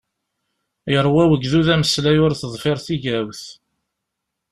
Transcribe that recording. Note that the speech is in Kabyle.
Yeṛwa wegdud ameslay ur teḍfir tigawt.